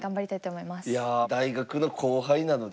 いや大学の後輩なので。